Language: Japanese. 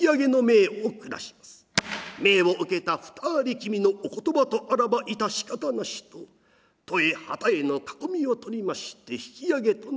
命を受けた２人君のお言葉とあらば致し方なしと十重二十重の囲みを取りまして引き揚げとなるわけでございます。